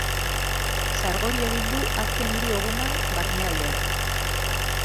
Sargori egin du azken hiru egunan barnealdean.